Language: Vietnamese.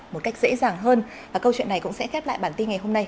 một cách dễ dàng hơn câu chuyện này cũng sẽ khép lại bản tin ngày hôm nay